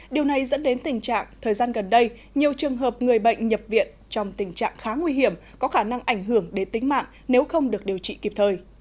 điều này dẫn đến tình trạng thời gian gần đây nhiều trường hợp người bệnh nhập viện trong tình trạng khá nguy hiểm có khả năng ảnh hưởng đến tính mạng nếu không được điều trị kịp thời